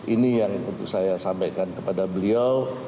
ini yang untuk saya sampaikan kepada beliau